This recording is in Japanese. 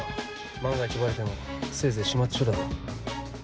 万が一バレてもせいぜい始末書だろ。